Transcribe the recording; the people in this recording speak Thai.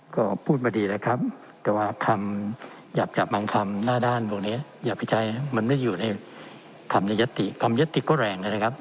ครับคุณท่านประธานครับ